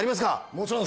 もちろん。